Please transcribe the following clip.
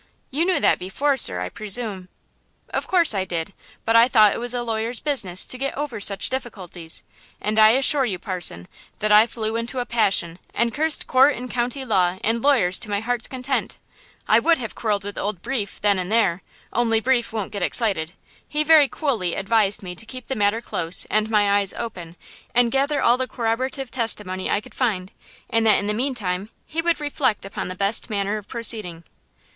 "You knew that before, sir, I presume." "Of course I did; but I thought it was a lawyer's business to get over such difficulties; and I assure you, parson, that I flew into a passion and cursed court and county law and lawyers to my heart's content. I would have quarreled with old Breefe then and there, only Breefe won't get excited. He very coolly advised me to keep the matter close and my eyes open, and gather all the corroborative testimony I could find, and that, in the meantime, he would reflect upon the best manner of proceeding."